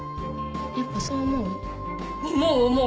やっぱそう思う？